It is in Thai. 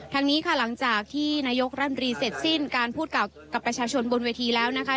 ทางนี้ค่ะหลังจากที่นายกรัฐมนตรีเสร็จสิ้นการพูดกับประชาชนบนเวทีแล้วนะคะ